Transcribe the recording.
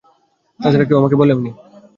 তাছাড়া কেউ আমাকে বলেও নি।